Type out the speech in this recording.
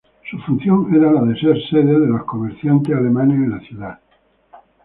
Su función era la de ser sede de los comerciantes alemanes en la ciudad.